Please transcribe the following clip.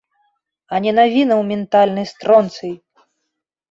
А не навінаў ментальны стронцый!